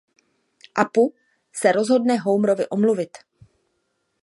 Apu se rozhodne Homerovi omluvit.